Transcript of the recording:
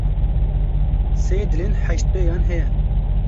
Sê dilên heştpêyan heye.